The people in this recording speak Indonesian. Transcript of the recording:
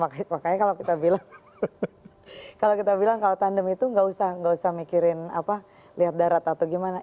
makanya kalau kita bilang kalau kita bilang kalau tandem itu nggak usah mikirin apa lihat darat atau gimana